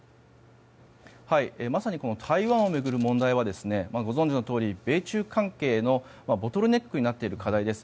台湾を巡る問題はご存じのとおり米中関係のボトルネックになっている課題です。